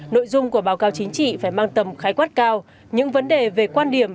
nội dung của báo cáo chính trị phải mang tầm khái quát cao những vấn đề về quan điểm